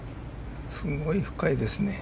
すごい深いですね。